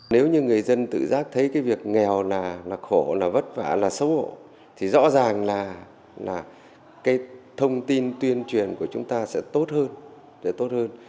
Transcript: nếu như người dân tự giác thấy cái việc nghèo là khổ là vất vả là xấu hổ thì rõ ràng là cái thông tin tuyên truyền của chúng ta sẽ tốt hơn